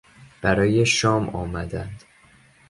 برای شام آمدند.